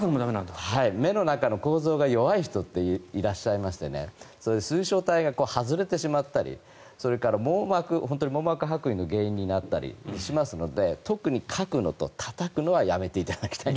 目の中の構造が弱い人っていらっしゃいまして水晶体が外れてしまったりそれから網膜はく離の原因になったりしますので特に、かくのとたたくのはやめていただきたい。